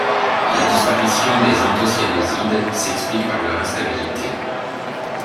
La disparition des anthocyanosides s'explique par leur instabilité.